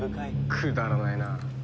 くだらないな。